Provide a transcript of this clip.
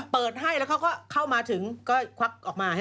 เปิดให้แล้วเขาก็เข้ามาถึงก็ควักออกมา